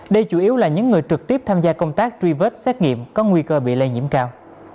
đây chủ yếu là những người trực tiếp tham gia công tác truy vết xét nghiệm có nguy cơ bị lây nhiễm cao